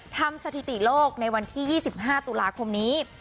สถิติโลกในวันที่๒๕ตุลาคมนี้